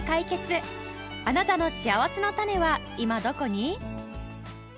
あなたのしあわせのたねは今どこに？